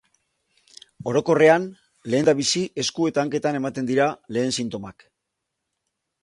Orokorrean lehendabizi esku eta hanketan ematen dira lehen sintomak.